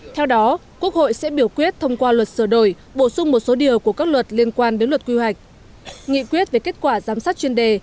theo đó quốc hội sẽ biểu quyết thông qua luật sửa đổi bổ sung một số điều của các luật liên quan đến luật quy hoạch nghị quyết về kết quả giám sát chuyên đề